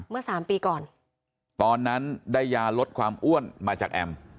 เมื่อสามปีก่อนตอนนั้นได้ยาลดความอ้วนมาจากแอม